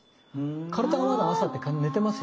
体はまだ朝って寝てますよね。